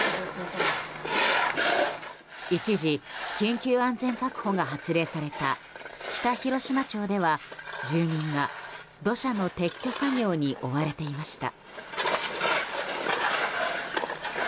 一時、緊急安全確保が発令された北広島町では住民が土砂の撤去作業に追われていました。